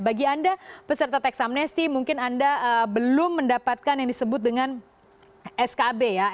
bagi anda peserta teks amnesti mungkin anda belum mendapatkan yang disebut dengan skb ya